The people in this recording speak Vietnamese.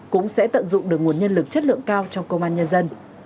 cũng sẽ tận dụng được nguồn nhân lực chất lượng cao trong công an nhân dân